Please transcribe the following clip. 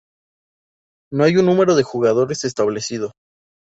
No hay un número de jugadores establecido.